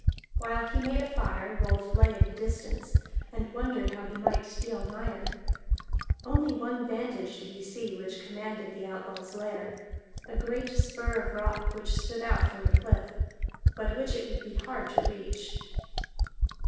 While he made a fire, Rolf lay at a distance, and wondered how he might steal nigher. Only one vantage did he see which commanded the outlaw's lair: a great spur of rock which stood out from the cliff, but which it would be hard to reach.